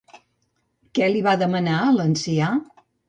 Què li va demanar a l'ancià?